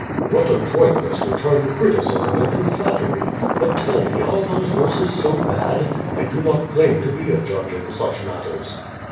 "What adroitness to turn criticism into flattery! But tell me are those verses so bad? I do not claim to be a judge in such matters."